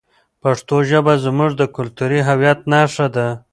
پښتو ژبه زموږ د کلتوري هویت نښه ده.